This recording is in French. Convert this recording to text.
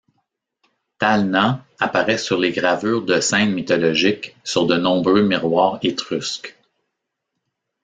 Thalna apparaît sur les gravures de scènes mythologiques sur de nombreux miroirs étrusques.